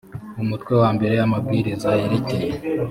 umutwe wa mbere amabwiriza yerekeye